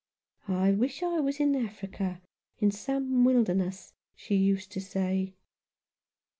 ' I wish I was in Africa — in some wilderness,' she used to say."